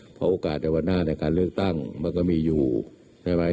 เพราะโอกาสในวันหน้าในการเลือกตั้งมันก็มีอยู่ใช่ไหม